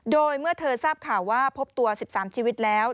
โดยเมื่อเธอทราบข่าวว่าพบตัว๑๓ชีวิตแล้ว